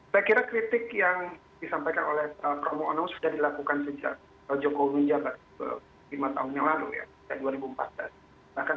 baik terima kasih